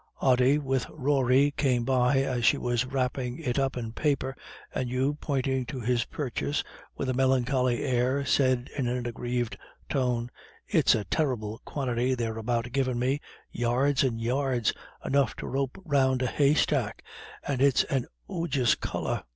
Ody with Rory came by as she was wrapping it up in paper, and Hugh, pointing to his purchase with a melancholy air, said, in an aggrieved tone: "It's a terrible quantity they're about givin' me yards and yards enough to rope round a haystack; and it's an ojis colour.